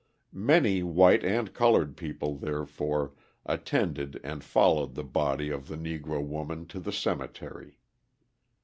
Many white and coloured people, therefore, attended and followed the body of the Negro woman to the cemetery.